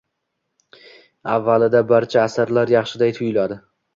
Avvalida barcha asarlar yaxshiday tuyuladi.